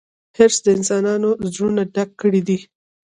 حرص د انسانانو زړونه ډک کړي دي.